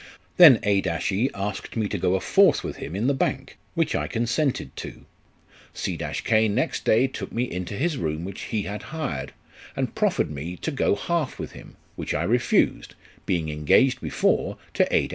" Then A e asked me to go a fourth with him in the bank, which I consented to. C k next day took me into his room which he had hired, and proffered me to go half with him, which I refused, being engaged before to A e.